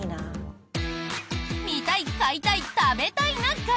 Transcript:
「見たい買いたい食べたいな会」。